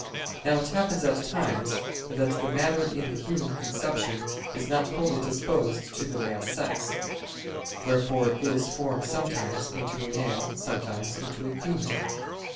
Now it happens at times that the matter in the human conception is not wholly disposed to the male sex; wherefore it is formed sometimes into a male, sometimes into a female.